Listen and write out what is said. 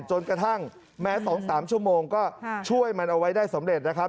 จนกระทั่งแม้๒๓ชั่วโมงก็ช่วยมันเอาไว้ได้สำเร็จนะครับ